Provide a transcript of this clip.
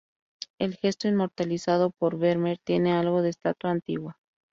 El gesto inmortalizado por Vermeer tiene algo de estatua antigua.